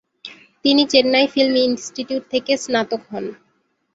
তিনি Chennai film institute থেকে স্নাতক হন।